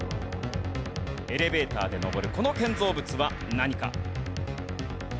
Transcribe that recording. エレベーターで昇るこの建造物は何か？